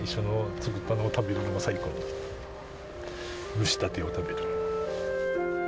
蒸したてを食べる。